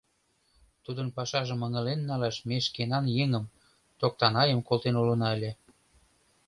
Тудын пашажым ыҥылен налаш ме шкенан еҥым, Токтанайым, колтен улына ыле.